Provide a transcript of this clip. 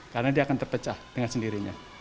karena dia akan terpecah dengan sendirinya